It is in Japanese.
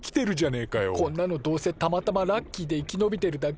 こんなのどうせたまたまラッキーで生き延びてるだけに決まってますよ。